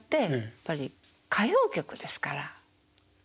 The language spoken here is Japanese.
やっぱり歌謡曲ですから。